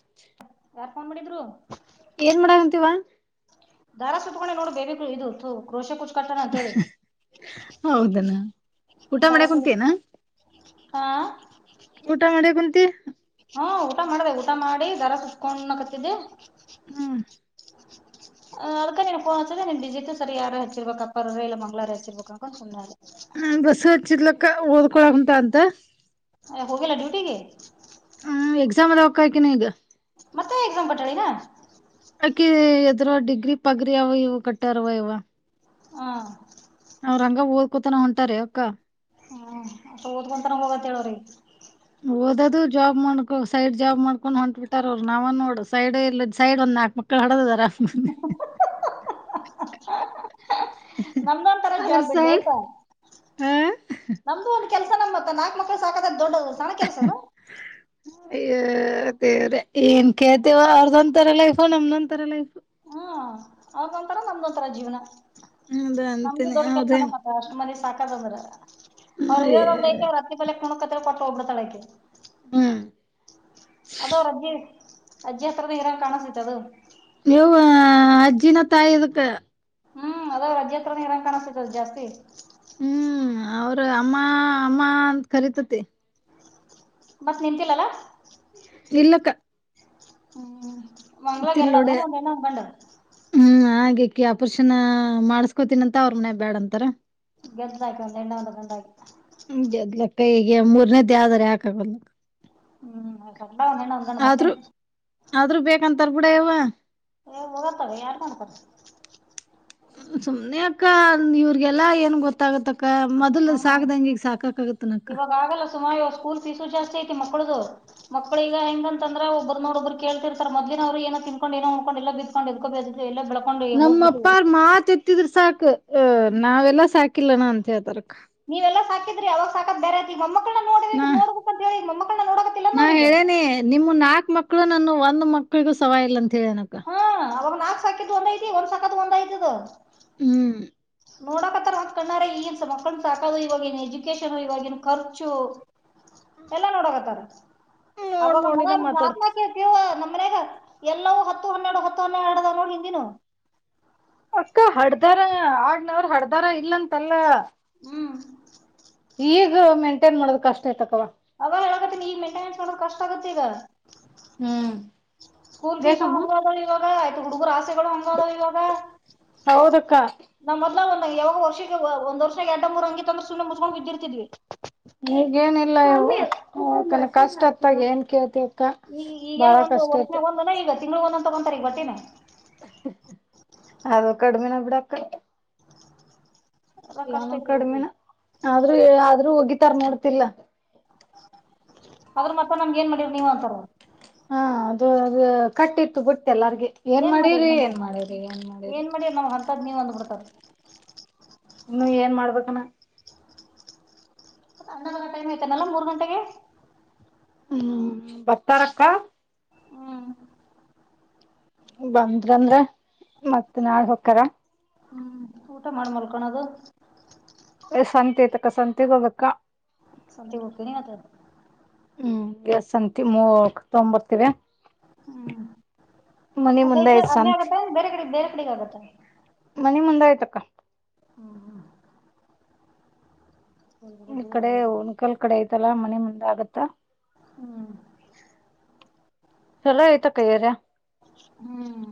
ಆಚ್ [inaudible] ಕಾಲ್ ಮಾಡಿದ್ರು ಏನ್ ಮಾಡಂತೀವ ದಾರ ಸತ್ಕೊಂಡೆ ನೋಡ್ ಬೇಬಿ ಇದು ಕ್ರೋಶೆ ಕುೂಚ್ ಕಟ್ಟೋಣ ಅಂತ ಹೇಳಿ ಹೌದನ ಊಟ ದಾರ ಮಾಡೋಕೆ ಸು ಕುಂತಿ ಏನು ಹಾ ಕುಂತಿ ಹಾ ಊಟ ಮಾಡಬೇಕ ಊ ಮಾಡಿ ದರ ಕುತ್ಕೊಂಡುಕತಿದ್ದೆ ಹ್ಮ ಅದಕ್ಕೆ ನಿನಗೆ ಫೋನ್ ಹಚ್ಚಿದೆ ನೀನ್ ಬಿಜಿ ಇತ್ತು ಅದಕ್ಕೆ ಸರಿ ಯಾರ ಹೆಚ್ಚಿರ್ಬೇಕು ಅಪ್ಪಾರರು ಇಲ್ಲ ಮಂಗಳಾರ ಹ ಹೆಚ್ಚಿರ್ಬೇಕ ಅಕೊಂಡು ಸುಮ್ನೆ ಆದೆ ಹ ವಸು ಹಚ್ಚಿದಲಕ್ಕ ಓದ್ಕೊಳ ಉಂಟ ಅಂತ ಹೋಗಿಲ್ಲಾ ಡ್ಯೂಟಿಗೆ ಹ್ಮ್ ಎಕ್ಸಾಮ್ ಅದ ಹಕ್ಕಾಯಕಿನ ಈಗ ಮತ್ತೆ ಎಕ್ಸಾಮ್ ಕೊಟ್ಟಾರಿಗ ಅ ಡಿಗ್ರಿ ಪಗರಿ ಅವ ಇವು ಕಟ್ಟಾರವ ಇವ ಹಾ ಅವ್ ರಂಗ ಓದ್ಕೂತಾನ ಹೊಂಟಾರೆ ಅಕ್ಕ ಹ್ಮ ಅ ಓದ್ ಗಂತ ನ ಹೋಗತ್ ಹೇಳವ್ರಿ ಓದದು ಜಾಬ್ ಮಾಡ್ಕೊ ಸೈಡ್ ಜಾಬ್ ಮಾಡ್ಕೊಂಡ್ ಹೊಂಟಟ್ ಬಿಟ್ಟಾರ ಅವರು ನಾವ ನೋಡು ಸೈಡ್ ಇ ಸೈಡ್ಂದ ನಾಕ್ ಮಕ್ಕಳ ಆಡದಿದ್ದರೆ... ನಮ್ದು ಒಂದು ತರದ ಜಾಬ್ ಬಿಡ್ಲಿಪ್ಪ ಹಾ ಕೆಲಸ ನಮ್ಮತ್ ನಾಲ್ಕ್ಳ ಸಾಕ ಹ್ [inaudible] ಈ ದೇವ್ರೆ ಏನ್ ಕೇಳ್ತೇವ ಅವ್ರದೊಂರ ಲೈಫ್ ನಮನ ಒಂಥರ ಲೈಫ್ ಹ ಅವದೊಂತರ ನಮ್ದು ಒಂತರ ಜೀವನ ಅದ ನಮ್ದು ಅಂತೀನಿ ದೊಡ್ಡ ಕೆಲ್ಸತ ಅಷ್ಟ ಮನೆ ಸಾಕ ತಗೋಬಹುದು ಅವ್ರ [inaudible] ಪಲೆಕ್ಕಣ ಪಟ್ಟ ಹಬಡ್ ತಳಕುದು. ಹ್ಮ್. ಅದ ಅವ್ರ ಅಜ್ಜಿ ಅಜ್ಜಿ ಹತ್ರದ ಹೀರಂಗ ಕಾಣಸತಿತ್ ಅದು ನೀವು ಅಜ್ಜಿನ ತಾಯಿಕ ಹ್ಮ್ ಅದ ಅಜ್ಜಿ ಹತ್ರ ನೀ ಇರಂ ಕಾಣಿಸ್ತತದ ಜಾಸ್ತಿ ಹ್ಮ್ ಅವ್ರ ಅಮ್ಮ ಅಮ್ಮ ಅಂತ ಕರಿತತಿ ಮತ್ ನಿಂತಿಲ್ಲಲ ಇಲ್ಲಕ್ಕ ಹ್ಮ್ ಮಂಗಗಳ ಎರಡನೇ ತಿಲ್ಲೋಡೆ ಒಂದು ಇನ್ನೊಂದು ಗಂಡು ಕ್ಕೆಅಪರ್ಷನ ಮಾಡಸ್ಕೋತೀನ ಅಂತ ಅವ್ರ ಮನೆ ಬ್ಯಾಡಂತಾರ ಗಂಂಡ ಹಾಕಿ ಒಂದು ಎನ್ನು ಒಂದು ಗಂಡು ಆಯ್ತಾ ಹ ಅದ್ಲಕ್ಕೈಗೆ ಮೂರ್ನೇದಾವ್ದ್ರ ಯಾಕಾಗಲ್ಲ ಹ್ಮ್ ಸಡ್ಲ ಒಂದ್ ಹೆಣ್ಣ ಒಂದ್ ಗಂಡ [inaudible] ಮತ್ತೇನ್. ಆದ್ರೂ ಆದ್ರೂ ಬೇಕಂತಾರ ಬಿುಡ ಯವ ಏ ಹೋಗತವೆ ಯಾರ್ ಮಾಡ್ತಾರ ಸುಮ್ನೆ ಅಕ್ಕ ಇವ್ರಿಗೆಲ್ಲಾ ಏನ್ ಗೊತ್ತಾಗತ್ತಕ್ಕ ಅಕ್ಕ ಮೊದಲು ಹ್ಮ್. ಸಾಕ್ದಂಗಿಗ ಸಾಕಕ ಆಗತ್ತನಕ್ಕ ಸ್ಕೂಲ್ ಫೀಸು ಜಸ್ತಿ ಐತಿ ಮಕ್ಕಳ್ದು ಮಕ್ಕಳ ಈಗ ಹೆಂಗ ಅಂದ್ರೆ ಒಬ್ಬ ನೋಬ್ರು ಕೇಳ್ತಿರ್ತ ಮೊದ್ನ ಅವ್ರು ತಿನ್ಕೊಂಡ ಏಕೊಂಡ ಎಲ್ಲ ಬ್ಕೊಂಡ ಇದ್ ಬ ಎಲ್ಲಳ ನಮ್ಮಪ್ಪ್ರ ಮಾತ್ ಎತ್ತಿದ್ರ ಸಾಕು ಅ ನಾವೆಲ್ಲಾ ಸಾಕಿಲ್ಲನ ಅಂತ ಹೇಳ್ತಾರ ನೀವೆಲ್ಲಾ ಸಾಕಿದ್ರಿ ಅವಾಗ ಸಾಕತ್ ಬೇರೆತಿ ಈ ಮಮ್ಮಕ್ಕಳ ನ ನಾ ಅವ್ರೀಗ ಹೇಳೇನೆ ನಿಮ್ಮ ನಾಕ್ ಮಕ್ಳು ನಾನ ಒಂದ್ ಮಕ್ಳಿಗೂ ಸವಾಯ ಇಲ್ಲಂತ ಹೇಳನಕ್ಕ ಕಿದು ಒಂದ ಐ್ತ ಒಂದ್ಸಕ್ ಒಂದ ಐ ಅದು ಹ್ಮ್ ನೋಡಕತ್ತರ ಹಕಣಾರ ಈಗನ್ ಮಕ್ಕಳನ್ ಸಾಕದು ಇವವಾಗಿನ್ ಎಜುಕೇಶನ್ ಇವಾಗಿನ್ ಖರ್ಚು ಎಲ್ಲಾ ನೋಡೋಗತ್ತಾರ ನೋಡ್ ಅವಾಗ ಮು ನೋಡಿನ ಜಕ ಮಾತಾಡ್ತ ಪ ನ ಮ ಎಲ್ಲವೂ ಹತ್ತು ಹನ್ನೆರಡು ಹತ್ತು ಹನ್ನೆರಡು ಅದ ನೋಡಿ ಹಿಂದಿನ ಅಕ್ಕ ಹಡ್ದಾರ ಆಡ್ನವ್ರ ಹಡ್ದಾರ ಇಲ್ಲಂತಲ್ಲ ಹ್ಮ್. ಈಗ ಮೇಂಟೈನ್ ಮಾಡೋದ ಕಷ್ಟ ತಕ್ಕವಾ ಅವ ಹೇಳಕತ್ತೆ ಈ ಮೈಂಟೆನೆನ್ಸ್ ನೋಕ ಕಷ್ಟ ಆಗತ್ತೆ ಈಗ ಹ್ಮ್ ಕೂರ್ತಿಸ ಬೇಕಮ್ಮ ಹಂಗಬಿ ಆಯ್ತು ಹುಡುಗರುರ ಆಸೆಗಳು ಹಂಗಾದ ಇವಾಗ ಹೌದಕ್ಕ ನಾವ್ ಮೊದ್ಲ ಒಂದ್ ಯಾವಾಗ ವರ್ಷಕ್ಕೆ ಒಂದ ವರ್ಷಕ್ಕೆ ಎರಡ್ಡು ಮೂರು ಅಂಗಿ ಅಂದ್ರೆ ಸುಮ್ಮನೆ ಮುಸ್ಕೊಂಡ್ ಬಿದ್ದಿರ್ತಿದ್ವಿ ನೀಗ ಏನಿಲ್ಲ ಯಕ ಕಷ್ಟತ್ತಾಗ ಏನ್ ಕೇಳ್ತಿತಿ ಈ ಈಗೇನು ಒಂದು ವರ್ಷನೆ ಒಂದನ ಈಗ ತಿಂಗ್ಳ ಒಂದಂದ ತಗೊಂತಾರೆ ಈಗ ಬಟ್ಟೇನ ಅದು ಕಡಿಮೆನ ಬಿಡಾಕ ಅದ ಕಷ್ಟ ಎಲ್ಲಾನು ಐತಿ ಹೋಗಿ ಕಡಿಮೆನ ಆದ್ರೂ ಆದ್ರೂ ಹೋಗಿ ತರ್ ನೋಡ್ತಿಲ್ಲ ಅದ್ರ ಮತ್ರ ನಮ್ಗೆ ಏನ್ ಮಾಡಿದವ ನೀವ್ ಅಂತರ ಹಾ ಅದು ಅದು ಕಟ್ಟಿತ್ತು ಬುಟ್ಟ ಎಲ್ಲಾರ್ಗ ಏನ್ ಮಾಡಿರಿ ಮಾಡಿರರಿ ನಮ್ಗ ಏನ್ ಮಾಡಿರಿ ಏನ್ ಮಾಡಿರಿ ಹ ಇನ್ನು ಏನ್ ಮಾಡ್ಬೇಕನ ಅನ್ನ ಟೈಮ್ ಆಐ್ತನಲ್ಲ ಮೂರ್ ಗಂಟೆಗೆ ಹ್ಮ್ ಬತ್ತಾರಕ್ಕ ಹ್ಮ್ ಬಂದ್ರಂದ್ರ ಮತ್ತ್ ನಾಳ ಹಕ್ಕಾರ ಹ್ಮ್ ಊಟ ಮಾಡ ಮರ್ಕೋಣದು ಸಂತೆ ಐತಕ್ಕ ಸಂತೆಗ್ ಹೋಗಬೇಕಾ [unintelligible] ಹ್ಮ್ ಎ ಸಂತ ಮೂ ತೊಂಬತ್ತರ ಹ್ಮ್ ಮನಿ ಅಲ್ಲೇ ಮುಂದೆ ಇದ್ದ ಆಯ್ತು ಅಲ್ಲೇ ಶಂತ ಆಗತ್ತ ಬೇರೆ ಕಡೆ ಬೇರೆ ಕಡೆಗೆ ಆಗತ್ತ ಮನಿ ಮುಂದ ಆಯ್ತಕ್ಕ ಹ್ಮ್ ಹ್ಮ ಈ ಕಡೆ ದೂರ ಹನ್ಕಲ್ ಕಡೆ ಐತಲ್ಲಾ ಮನೆ ಮುಂದ ಆಗತ್ತಾ ಹ್ಮ್ ಚಲೋ ಆಯ್ತಾ ಕಯ್ಯಾರ ಹ್ಮ್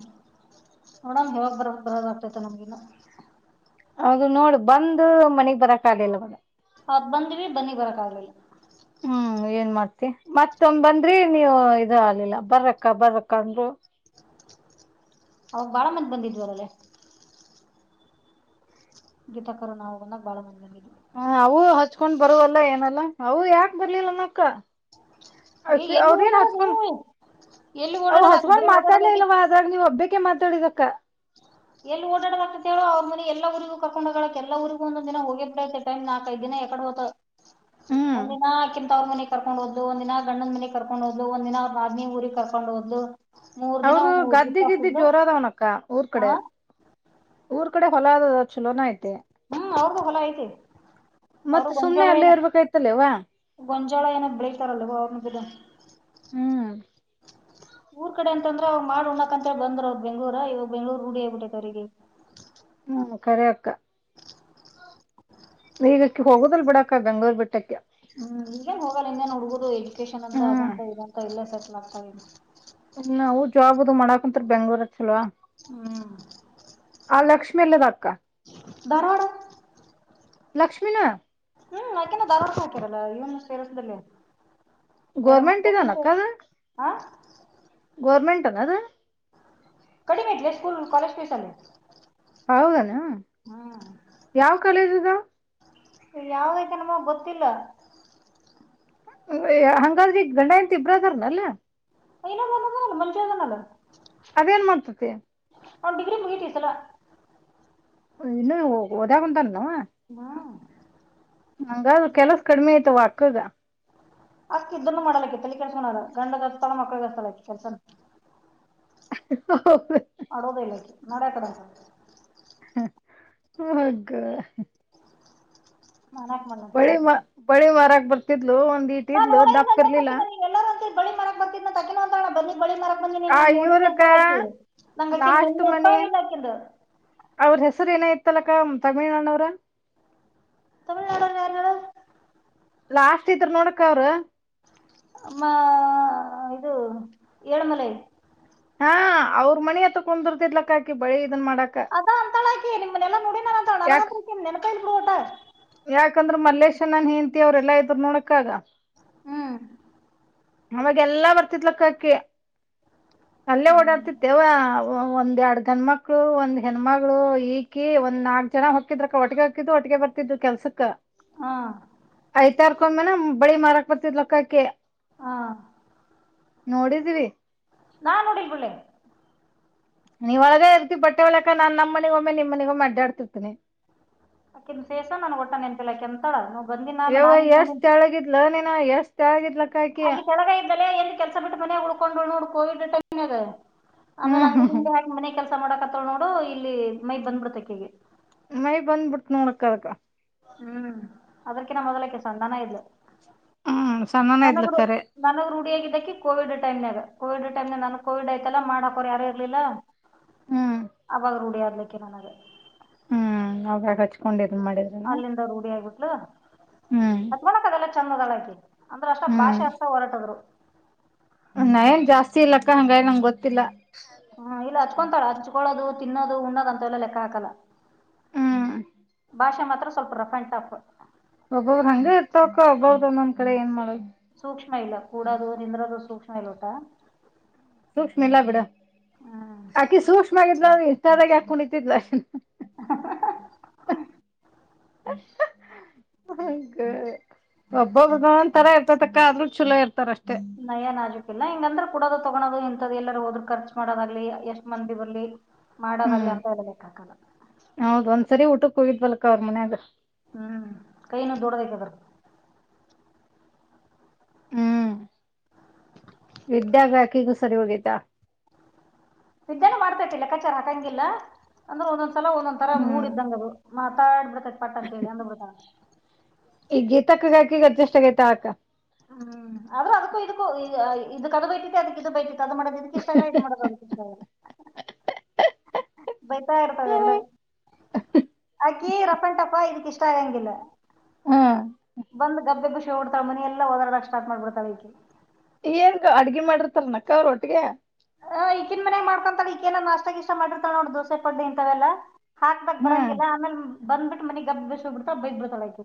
ನೋಡಂ ಯಾವಾಗ ಬರಕ್ ಬರದ ಆಗ್ತೈತೆ ನಮ್ಗಿನ ಹೌದು ನೋಡು ಬಂದು ಮನಗ್ ಬರಕ್ಲ ಇಲ್ ಮಾಗ ಆಬ್ಬಂದಿವೇ ಬನ್ನಿ ಬರಕ್ಕಾಗಲಿ ಹ್ಮ್ ಏನ್ ಮಾಡ್ತಿ ಮತ್ತೊ ಬಂದ್ರಿ ನೀವು ಇ ಆಗ್ಲಿಲ್ಲ ಬರಕ್ಕ ಬರಕ್ಕ ಅಂದರು ಅವಾಗ ಬಾಳ ಮಂದ ಬಂದಿದ್ವರಲ್ಲೇ ಗೀತಾ ಕರೋ ಹೋಗದಾಗ ಬಾಳ ಮಂದ ಹ ಅೂ ಹಚ್ಕೊಂಡ್ ಬರುವವಲ್ಲ ಏನಲ್ಲ ಅವು ಯಾಕ ಬರ್ಲಿಲ್ಲನಕ್ಕ ಏ ಅತೆ ಎಲ್ಲಿ ಅವದನು ಓಡಾಡೋದೆ ಹಚಪನ್ ಎಲ್ಲಿ ಅ್ ಓಡಾಡೋದಾಕ್ ಹಸಬನ್ ಬರೇ ಮಾತಾಡ್ಲ ಓಡಾಡೋದಾಗೈತಿ ಇಲ್ವ ಅಾಗ ನೀವು್ ಹಬ್ಬಕ್ಕೆ ಮಾತಾಡಿದಕ್ಕ ಎಲ್ಲಿ ಓಡಾಡಬೇಕಕ್ಂತ ಹೇಳ ಅವ್ರ ಮಿ ಎಲ್ಲ ಊಗೂ ಕಕೊಂಡೋಗಳಕ್ ಎ ಊಗ ಒಂದ ದಿನ ಹೋಗೈ ಟೈಮ್ ನಾಕೈದು ದಿನ ಆತ ಹ್ಮ್ ಒಂದ ದಿನಾ ಅಕಿನ ತವರ ಮನಿ ಕರ್ಕೊಂಡ್ ಹೋದ್ಲು ಒಂದಿನ ಗಂಡಂದ ಮನೆ ಕರ್ಕೊಂಡ ಹೋದ್ಲು ಒಂದ ದಿನ ಬಾದನಿ ಊರಿ ಕರ್ಕೊಂಡ್ ಹೋದ್ಲು. ಮೂರ್ ದಿನ ಅವರು ಗದ್ದೆ ಗದ್ದಿ ಸುತ್ತಾಡ್ಸಿದ್ಲು ಜೋರದವನಕ್ಕ. ಊರ್ ಆ ಕಡೆ ಊರ್ ಕಡೆ ಹೊಲ ಆದ ಚಲೋನ ಐತೆ. ಹ್ಮ್ ಅವ್ರದು ಹೊಲ ಐತೆ. ಅವರು ಮತ್ ಸುಮ್ನೆ ಗೊಂಜಾಳ ಅಲ್ಲೇ ಏನ ಇರ್ಬೇಕಾಯ್ತಲ್ವಾ ಗೊಂಜಾಳ ಏನೋ ಬೆಳೀತಾರೇನ್ ಅವ್ರನು ಗೂಢ. ಹ್ಮ್ ಊರ್ ಕಡೆನ್ ದ್ರ ಅವ್ ಮಾಡ ಉಣ್ಣಾಕ್ ಅಂತೇಳ ಬಂದ್ರ ಅವ್ರ ಬೆಂಗಳೂರು ಇವಗ ಬೆಂಗಳೂರು ರೂಢಿ ಆಗಿ ಬಿಟ್ಟೈತಿ ಅವರಿಗೆ ಈಗ. ಹ್ಮ್ ಕರೆ ಅಕ್ಕಾ. ಈಗಕ್ಕೆ ಹೋಗುದಲ್ ಬಿಡಾಕ ಬೆಂಗ್ಗಳೂರ್ ಬಿಟ್ಟಕ್ಕೆ. ಹ್ಮ್ ಈಗೇನ್ ಹೋಗಲ್ಲ ಇನ್ನೇನ್ ಹುಡ್ಗೋುದು ಎಜುಕೇಶನ್ ಅಂತ ಹ್ಮ್ ಅದಂತ ಇದಂತ ಇಲ್ಲ ಸೆಟ್ಲ್ ಆಗ್ತಿಲ್ಲ. ನವು ಜಾಬ್ದು ಮಾಡಾಕಂತರ ಬೆಂಗ್ಳೂರ್ ಹತ್ಲ್ವಾ. ಹ್ಮ. ಆ ಲಕ್ಷ್ಮಿ ಎಲ್ಲದ ಅಕ್ಕ. ಧಾರವಾಡ. ಲಕ್ಷ್ಮೀಿನ. ಹ್ಮ್ ಆಕಿನು ಧಾರವಾಡ ಕ ಹಾಕಿರಲ್ಲ ಇವನು ಸೇಸದಲ್ಲಿ. ಗೋರ್ಮೆಂಟ್ ಇದ್ದಾನಕ್ಕದ. ಹಾ ಗೌರ್ಮೆಂಟ್ನ ಅದ. ಕಡಿಮೈತ್ಲೆ ಸ್ಕೂಲ್ ಕಾಲಜ ಫೀಸ್ ಅಲ್ಲಿ. ಹೌದನಾ ಹ್ಮ್ ಯಾವ ಕಾಲೇಜದ. ಯಾದೈತನವ ಗೊತ್ತಿಲ್ಲ. ಹಂಗಾದ್ರೆ ಈಗ ಗಂಡ ಹೆಂಡ್ತಿ ಇಬ್ರದರ್ನಲ್ಲಿ. [unintelligible] ಅದೇನ್ ಮಾಡ್ತತಿ ಅವ್ನ್ ಡಿಗ್ರಿ ಮುಗಿತು ಈ ಸಲಾ. ಇನ್ನ ಓದಕ ಕುಂತನ ಏನ ಅವ. ಹ್ಮ್. ಹಂಗಾದ ಕೆಲಸ ಕಡಿಮೆ ಆಐ್ತವ ಅಕ್ಕಗ. ಅಷ್ಟ ಇದನ್ನು ಮಾಡಲಕ್ಕೆತ್ತಲ್ಲಿ ಕೆಲ್ಸನಾರ ಗಂಡ ಗರ್ಸ್ತಳ ಮಕ್ಳಗರ್ತಳ ಕೆಲ್ಸ. ಹಹ. ಮಾಡೋದೆ ಇಲ್ಲ ಅಕ್ಕಿ ನಡೆ ಅತ ಅಂತಾಳ. ಹ ಹೋಗೋ. ನಾನ್ ಯಾಕ್ ಮಾಡ್ಲಿ ಅಂತಾಳ ಬಳಿ ಆಕಿ ಮ ಬಳಿ ಮಾರಕ್ ಬರ್ತಿದ್ಲು ಒಂದ್ ಇಟ್ ನಾ ಇದ್ಲು ನೋಡೇ ಇಲ್ಲ ಅಲ್ಲೇ ದಪ್ರ್ಲಿಲ್ಲ. ಆಕಿನ ನೀವ್ ಎಲ್ಲಾರು ಅಂತೀರಿ ಬಳಿ ಮಾರಾಕ್ ಬರ್ತಿದ್ನ ಅಂತ ಆಕಿನೂ ಅಂತಾಳ ನಾ ಬನ್ನಿ ಬಳಿ ಮರಕ್ ಬಂದಿನಿ ಆ ನೀನ್ ನೋಡಿನಿ ಇವ್ರಕ್ಕ ಅಂತಾಕಿದ ನಂಗ ಆಕಿದ ಲಾಸ್ಟ್ ನಿನ್ನಪ್ಪ ಮನಿ ಇಾಕಿದ. ಅವ್ರ ಹೆಸರ ಏನ ಇತ್ತಲಕ್ಕ ತಮಿಳ್ನಾಡು ಅವ್ರ. ತಮಿಳ್ನಾಡ ಅವರ ಯಾರ ಹೇಳ್. ಲಾಸ್ಟ್ ಇದ್ರ ನೋಡಕ್ಕ ಅವ್ರ. ಮಾ ಇದು ಏಳಮಲೆ. ಹಾ ಅವ್ರ ಮನಿ ಹತ್ತ ಕುಂದಿರ್ತಿದ್ಲಕ್ಕಾಕಿ ಬಳಿ. ಇದನ್ ಮಾಡಾಕ ಅದ ಅಂತಳಾಕಿ ನಿಮ್ನೆಲ್ಲಾ ನೋಡಿ ನಾನ ಅ ತ ಅಣ ಯಾಕ್ ನಂಗಂತೂ ನೆನಪ ಇಲ್ಲ ಬಿಡ ವಟ್ಟ. ಯಾಕಂದ್ರ ಮಲ್ಲೇಶನನ್ ಹೇಂತ ಅವ್ರೆಲ್ಲಾ ಇದ್ರು ನೋಡಕ್ಕಾಆಗ. ಹ್ಮ್. ಅವಾಗೆಲ್ಲಾ ಬರ್ತಿತ್ಲಕ್ಕಕ್ಕಿ ಅಲ್ಲೇ ಓಡಾಡ್ತಿತ್ತವ. ಒಂದ ಎರಡ್ ಗಂಡಮಕ್ಕಳು ಒಂದ್ ಹೆಣ್ಣ್ಮಗಳು ಈಕಿ ಒಂದ ನಾಲ್ಕ ಜನ ಹೋಕಿದ್ರಕ ಒಟ್ಟಿಗೆ ಹೊಕಿದ್ದ್ ಒಟ್ಟಗೆ ಬರ್ತಿದ್ದು ಕೆಲ್ಸಕ್ಕ. ಹಾ. ರ್ಕೊಂಡ ಮೇನ ಬಳಿ ಮಾರಾಕ್ ಬರ್ತಿದ್ ಲಕ್ಕಾಕ. ಹಾ. ನೋಡಿದೀವಿ. ನಾ ನೋಡಿಲ್ಲ ಬಿಡ್ಲೆ. ನೀವ್ ಹೊಳಗೆ ಇರ್ತಿರಿ ಬಟ್ಟೆ ಒಳಕ ನಾನ್ ನಮ್ಮ ಮನಿಗೊಮ್ಮೆ ನಿಮ್ಮ ಮನಿಗೊಮ್ಮೆ ಅಡ್ಡಾಡ್ತಿರ್ತೀನಿ ಅಕಿನು ಫೇಸ್ ನನಗೆ ಒಟ್ಟೆ ನೆನ್ಪಿಲ್ಲಾ ಯವ ಎಷ್ಟ್ ತೆಳ್ಳಗಿದ್ಲು ನೀನ ಎಷ್ಟ ತೆಲಗಿದ್ಲು ಹಾಗೆ ಕೆಳಗ ಇದ್ದಲೆ ಏನ್ ಕೆಲ್ಸ ಬಿಟ್ಟು ಮನ ಉಳ್ಕೊಂಡು ನೋಡ್ಕೋಗಿದ್ದ ಕಾವಿಡ್ ಟೈಮ್ನಾಗ ಆಮೇಲೆ ಹ್ಮ್ ಹಂಗ ಹಿಂಗ ಹ್ಮ್ ಮಾಡಿ ಮನೆ ಕೆಲ್ಸ ಮಾಡಕತ್ತವಳ ನೋಡು ಇಲ್ಲಿ ಮೈ ಬಂದ್ಬಿಡತಕಗೆ ಮೈ ಬಂದ್ಬಿಡ್ತ ನೋಡಕ್ಕ ಅದಕ್ಕ ಹ್ಮ್ ಅದ್ರಕಿನ ಮೊದಲಕ್ಕೆ ಸಣ್ಣನೆ ಇದ್ಲು ಹ್ಮ್ ಸಣ್ಣನ ನನಗ ಇದ್ಲ ಖರೆ ನನಗೇ ರೂಢಿಯಾಗಿದ್ದ ಕೋವಿಡ್ ಟೈಮ್ನಾಗ ಕೋವಿಡ್ಟೈಮ್ ನಾನು ಕೋವಿಡ್ ಆಯ್ತಲ್ಲ ಮಾಡಕೋ ಯಾರು ಇರ್ಲಿಲ್ಲ ಹ್ಮ್. ಅವಾಗ ರೂಢಿ ಅದಲಿಕ್ಕೆ ನನಗೆ ಆವಾಗ ಹಚ್ಕೊಂಡಿದ್ದ ಅಲ್ಲಿಂದ ರೂಢಿ ಹಾಗಿಬಿಟ್ಲು ಹ್ಮ್ ಮಾಡೋಕೆ ಆಗಲ್ಲ ಚೆಂದದಳಾಕಿ ಅಂದ್ರೆ ಅಷ್ಟ ಹ್ಮ್ ಭಾಷೆ ಅಷ್ಟ ಹೊರಟದ್ರು ನಾನ್ ಏನು ಜಾಸ್ತಿ ಇಲ್ಲಕ್ಕ ಹಂಗ ನಂಗೆ ಗೊತ್ತಿಲ್ಲ ಹಾ ಇಲ್ಲ ಹಚ್ಕೊಂತಾಳ ಹಚ್ಕೊಳೋದು ತಿನ್ನೋದು ಉನ್ನೋದ ಅಂತ ಎಲ್ಲ ಲೆಕ್ಕ ಹಾಕಲ್ಲ ಹ್ಮ್ ಭಾಷಾ ಮಾತ್ರ ಸ್ವಲ್ಪ ರುಫ್ ಅಂಡ್ ಟೂಫ್ ಒಬ್ಬರು ಹಂಗೆ ಇರ್ತಕ್ಕ ಒಬ್ದ ಒಂದೊಂದ್ ಕಡೆ ಏನ್ ಮಾಡದು ಸೂಕ್ಷ್ಮ ಇಲ್ಲ ಕೂಡದು ನಿಂದ್ರದು ಸೂಕ್ಷ್ಮ ಇಲ್ಲ ಅಕ್ಕ ಸೂಕ್ಷ್ಮ ಇಲ್ಲಾ ಬಿಡ ಆಕಿ ಸೂಕ್ಷ್ಮ ಆಗಿದ್ಲ ಇಷ್ಟಾದಾಗ ಯಾಕೆ ಕುಣಿತಿಳ್ದು [inaudible] ಹ ಒಬ್ಬರು ಒಬ್ಬರುದು ಒತರ ಇರ್ತತಕ್ಕ ಆದ್ರೂ ಚಲೋ ಇರ್ತಾರಷ್ಟೆ ನಯ ನಾಜುಕ್ಕು ಇಲ್ಲಾ ಹಂಗಂದ್ರೆ ಕುಡೋದು ತೊಗೋದು ಎಲ್ಲರೂ ಹೋದ್ರರು ಖರ್ಚ ಮಾಡೋದಾಗ್ಲಿ ಎಷ್ಟ್ ಮಂದಿ ಬರಲಿ ಮಾಡೋದಲ್ಲಿ ಹ್ಮ್ ಅಂತ ಹೇಳೋಕ್ಕೆ ಆಗಲ್ಲ ಅವರ ಮನೆಯಾಗ ಹ್ಮ್ ಕೈನು ದೊಡ್ಡೋದು ಆಯ್ತೆ ಹ್ಮ್ ವಿದ್ಯಾಗು ಅಕಿಗೂ ಸರಿ ಹೋಗಿತಾ ವಿದ್ಯಾನ ಮಾಡ್ತತೈತಿ ಲೆಕ್ಕ ಚಾರ ಹಾಕಂಗಿಲ್ಲ ಅಂದ್ರೆ ಒಂದೊಂದ್ಲ ಒಂದೊಂದ್ ತರ ಮೂಡ ಹ್ಮ್ ಇದ್ದಂಗ ಅದು ಮಾತ್ರ ಮಾತಾಡಬಿಡತೈತೆ ಪಟ್ಟ ಅಂತೇಳಿ ಅಂದುಬಿಡ್ತಾರಾ ಈಗೀತಕ್ಕ ಹಾಕಿಗೂ ಅಡ್ಜಸ್ಟ್ ಆಗೈತ ಆಕ್ಕ ಹ್ಮ್ ಆದ್ರ ಅದಕ್ಕೂ ಇದಕ್ಕೂ ಇದುಕ್ಕೆ ಅದು ಬೈತೈತಿ ಅದಕ್ಕ ಇದ ಬೈತೈತಿ ಅದು ಮಾಡೋದು ಇದಕ್ಕೆ ಇಷ್ಟ ಆಗ ಇದು ಮಾಡೋದು ಆದಕ್ಕೆ ಇಷ್ಟ ಆಗಲ್ಲ ಬೈತಾ ಇರ್ತದೆ ಎರಡುವೆ ಹಾಕಿ ರಫ್ ಅಂಡ್ ಟಫ್ ಇದಕ್ ಇಷ್ಟ ಆಗಂಗಿಲ್ಲ. ಹ್ಮ್ ಬಂದ್ ಗಬ್ಬುಎಬ್ಬಿಸಿ ಹೋಗಿಬಿಡ್ತಾಳ ಮನೆಯೆಲ್ಲಾ ಓಡ್ತಡೋಕ್ಕೆ ಸ್ಟಾರ್ಟ್ ಮಾಡ್ಬಿಡ್ತಾಳ ಈಕಿ ಏನ್ ಅಡ್ಗೆ ಮಾಡಿರ್ತಲ್ ನಕ್ಕ ಅವ್ರ ಒಟ್ಟಿಗೆ ಆ, ಈಕಿನ್ ಮನ್ಯಾಗ ಮಾಡತಂತಳ ಈಕೇನ ನಾಷ್ಟಗ ಇಷ್ಟ ಮಾಡಿರ್ತಳ ನೋ ದೋಸೆ ಪಡ್ಡಿ ಇಂತವೆಲ್ಲ ಹಾಕ್ದಾಗಕ್ ಹಾ ಬರಂಗಿಲ್ಲ ಆಮೇಲೆ ಬಂದ್ಬಿಟ್ಟ ಮನಗ್ ಗಬ್ಬೆಸಿ ಎಬ್ಬಿಸಿ ಹೋಗಿಬಿಡ್ತಾಳ ಬೈದು ಬಿಡ್ತಳ್ ಆಕಿ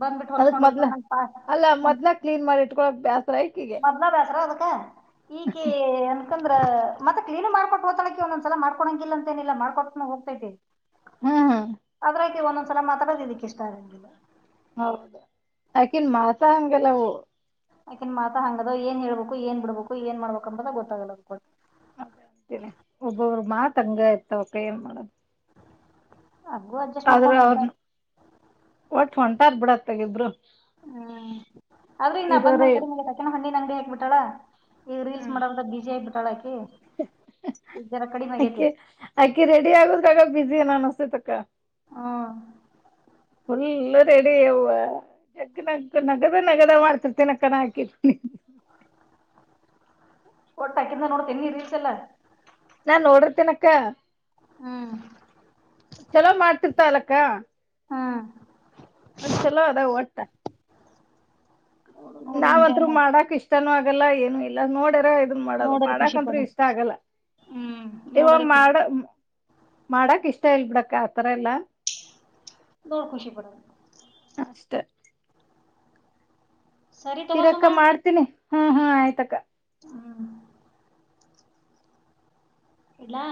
ಬಂದ್ಬಿಟ್ಟು ಅದಕ್ ಹೊಲಸ್ಕೊಂಡ್ ಮೊದ್ಲ ಹೋಗ್ತಾಳ ನಂಗ್ ಪಾ ಅಲ್ಲ ನಂಗ್ ಮೊದ್ಲ ಕ್ಲೀನ್ ಮಾಡಿ ಇಟ್ಕೊಕ್ ಬ್ಯಸರ ಮೊದ್ಲ ಬೇಸರ ಅದಕ್ಕೆ ಈಕಿ ಯಾಂದ್ರ ಮತ್ತೆ ಕ್ಲೀನ್ ನು ಮಾಡಿಕೊಟ್ಟು ಹೋತಲೂ ಹಾಕಿ ಒಂದೊಂದು ಸಾಲ ಮಾಡಕಂಗಿಲ್ಲ ಅಂತ ಏನಿಲ್ಲ ಮಾಡಿಕೊಟುನು ಹೋಗತೈತಿ ಹ್ಮ್ ಹ್ಮ್ ಅದ್ರಕಿ ಒಂದೊಂದ್ಸಲ ಮಾತಾಡೋದ ಇದಕ್ಕೆ ಇಷ್ಟ ಹಾಕಕಿಲ್ಲ ಹೌದ ಹಾಕಿನೀ ಮತೆ ಹಂಗೆ ಲವು ಯಾಕೆನ್ ಮಾತಾ ಹಂಗದ್ ಏನ್ ಹೇಳ್ಬೇಕು ಏನ್ ಬಿಡ್ಬೇಕು ಏನ್ ಮಾಡ್ಬೇಕಕ್ ಅನ್ನೋದೇ ಗೊತ್ತಾಗಲ ಅದೇ ಅ ಒಬ್ಬೊಬ್ರು ಮಾತೆ ಹಂಗೆ ಇರತಾವಕ್ಕ ಏನ್ ಮಾಡೋದು ಹಂಗು ಆದ್ರೆ ಮಾಡ್ಕೊಂಡ್ ಹೋಗ್ತಾರ ಅವ್ರನು ಒಟ್ಟು ಹೊಂಟಾರ ಬಿಡಹತಾಗಿ ಇಬ್ರು ಹ್ಮ್ ಅವ್ರೂ ಇನ್ನ ಬಂದ್ಮೇಲ್ ಇರೋರೇ ಕಡಿಮೆ ಹಾಕಿನೂ ಹಣ್ಣಿನ ಅಂಗಡಿ ಹಾಕಿ ಬಿಟ್ಟಳ ಈಗ ರೀಲ್ಸ್ ಮಾಡಲ್ದಲ್ಲಿ ಬಿಜಿ ಆಗಬಿಟ್ಟಾಳಾಕಿ ಅಕ್ಕಿ ಅಕ್ಕಿ ರೆಡಿ ಆಗುದಗ ಬಸಿ ನಾನ ಅನ್ನಿಸ್ತಾತೆ ಅಕ್ಕ ಹ್ಮ್ ಫುಲ್ಲ ರೆಡಿ ಯಾವ ನಕ ನಕ ನಗದ ನಗದ ಮಾಡ್ತಿರ್ತೀನ ಅಕ್ಕನ ಹಾಕಿರ್ [inaudible] ಒಟ್ಟ ಅಕ್ಕಿಂತ ನೋಡ್ತ ಏನ್ ನೀ ರಿಲ್ಯಾ ಎಲ್ಲಾ ನಾನ್ ನೋಡಿರಿತಿನಿಯಕ್ಕ ಹ್ಮ್ ಚಲೋ ಮಾಡ್ತಿರ್ತ ಅಲಕ್ಕ ಅಕ್ಕ ಹ್ಮ್ ಚಲೋ ಅದಾ ವಟ ನೋಡು ನಾವ್ತ್ರು ಮಾಡ್. ಮಾಡಕ್ ಇಷ್ಟನೂ ಆಗಲ್ಲ ಏನು ಇಲ್ಲ ನೋಡ್ಯಾರ ಇದನ ಮಾಡದು ನೋಡೋರ್ ಖುಷಿ ಮಾಡಕತ್ ಪಡೋಣ. ಇಷ್ಟ ಆಗಲ್ಲ ಹ್ಮ್ ಇವಾಗ ನೋಡೋರೇ ಖುಷಿ ಮಾಡ ಮಾಡಕ್ ಇಷ್ಟ ಇಲ್ ಬಿಡಕ್ ಆತರ ಎಲ್ಲ ನೋಡಿ ಖುಷಿಪಡುದು ಅಷ್ಟ ಸರಿ ತಗೋ ಇರಕ್ಕ ಸುಮಾ ಮಾಡ್ತೀನಿ ಹ್ಮ್ ಹ್ಮ ಆಯ್ತಕ್ಕ ಹ್ಮ್ ಇಡ್ಲಾ